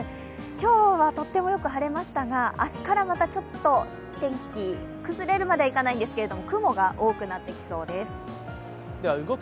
今日はとってもよく晴れましたが、明日からまたちょっと天気、崩れるまではいかないですけど雲が多くなってきそうです。